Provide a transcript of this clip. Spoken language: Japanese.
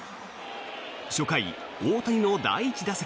初回、大谷の第１打席。